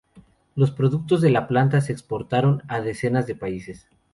Los productos de la planta se exportaron a decenas de países.